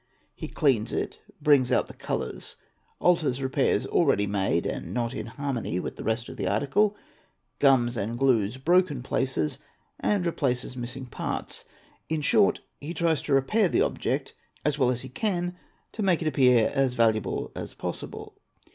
He cleans it, brings out the colours, alters repairs already made and not in harmony with the rest of the article, gums and glues broken places, and replaces missing parts, in short he tries to repair the object as well as he can to make it appear as valuable as possible.